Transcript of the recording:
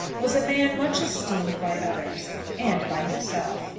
was a man much esteemed by others, and by himself.